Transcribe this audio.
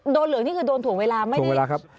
เหลืองนี่คือโดนถ่วงเวลาไม่ได้